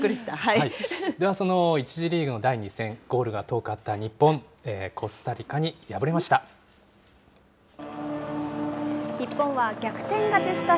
ではその１次リーグの第２戦、ゴールが遠かった日本、コスタリカに敗れました。